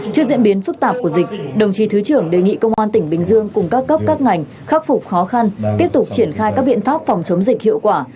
trước diễn biến phức tạp của dịch đồng chí thứ trưởng đề nghị công an tỉnh bình dương cùng các cấp các ngành khắc phục khó khăn tiếp tục triển khai các biện pháp phòng chống dịch hiệu quả